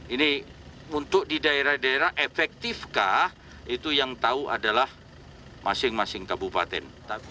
ini untuk di daerah daerah efektifkah itu yang tahu adalah masing masing kabupaten